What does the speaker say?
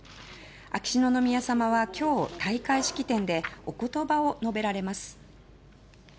秋篠宮さまは今日、大会式典でお言葉を述べられます。